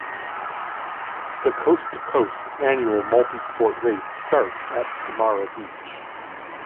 The Coast to Coast annual multisport race starts at Kumara Beach.